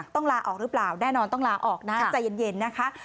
ต้องลาออกหรือเปล่าแน่นอนต้องลาออกนะใจเย็นนะคะ